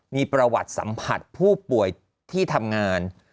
มีประวัติสัมผัสผู้ป่วยที่ทำงาน